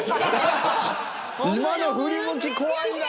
今の振り向き怖いな。